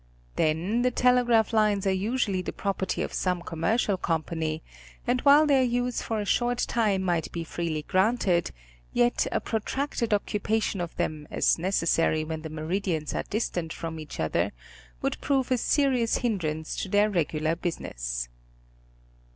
Then the telegraph lines are usually the property of some commercial company and while their use for a short time might be freely granted, yet a protracted occupation of them as neces sary when the meridians are distant from each other, would prove a serious hindrance to their regular business.